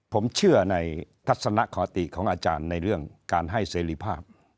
ผมเชื่อในทัศนคติของอาจารย์ในเรื่องการให้เสรีภาพ